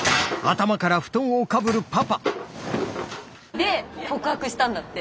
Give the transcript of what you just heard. で告白したんだって。